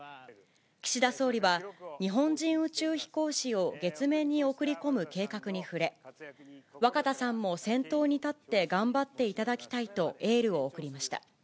岸田総理は、日本人宇宙飛行士を月面に送り込む計画に触れ、若田さんも先頭に立って頑張っていただきたいと、エールを送りました。